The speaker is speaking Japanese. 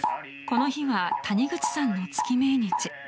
この日は谷口さんの月命日。